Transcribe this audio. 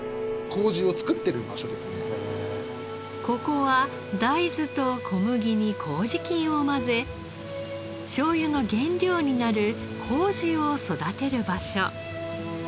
ここは大豆と小麦に麹菌を混ぜしょうゆの原料になる麹を育てる場所。